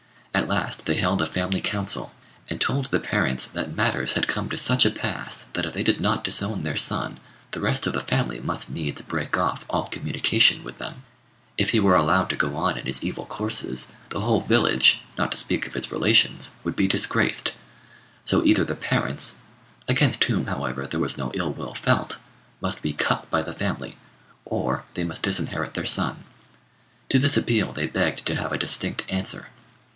At last they held a family council, and told the parents that matters had come to such a pass that if they did not disown their son the rest of the family must needs break off all communication with them: if he were allowed to go on in his evil courses, the whole village, not to speak of his relations, would be disgraced; so either the parents, against whom, however, there was no ill will felt, must be cut by the family, or they must disinherit their son: to this appeal they begged to have a distinct answer.